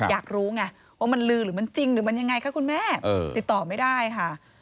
อยากรู้ไงว่ามันลือหรือมันจริงหรือมันยังไงคะคุณแม่ติดต่อไม่ได้ค่ะ